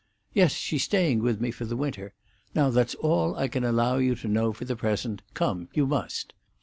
"Yes. She's staying with me for the winter. Now that's all I can allow you to know for the present. Come! You must!"